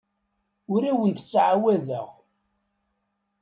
Ur awent-d-ttɛawadeɣ.